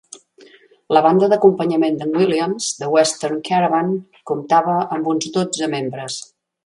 La banda d'acompanyament d'en Williams, The Western Caravan, comptava amb uns dotze membres.